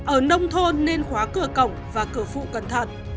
ở nông thôn nên khóa cửa cổng và cửa phụ cẩn thận